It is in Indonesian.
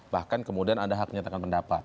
bahkan kemudian ada hak menyatakan pendapat